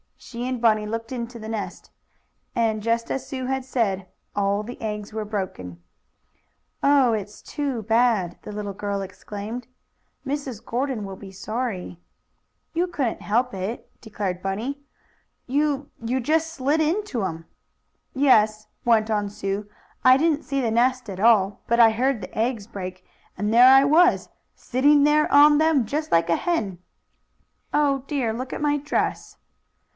She and Bunny looked into the nest And, just as Sue had said, all the eggs were broken. "Oh, it's too bad!" the little girl exclaimed. "Mrs. Gordon will be so sorry." "You couldn't help it," declared Bunny, "You you just slid into 'em!" "Yes," went on Sue. "I didn't see the nest at all, but I heard the eggs break, and there I was, sitting there on them just like a hen. Oh, dear! Look at my dress!"